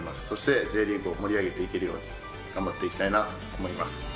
そしてＪリーグを盛り上げていけるように頑張っていきたいなと思います。